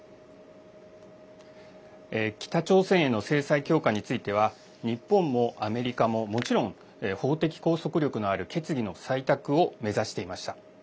北朝鮮への制裁強化については日本もアメリカも、もちろん法的拘束力のある決議の採択を目指していました。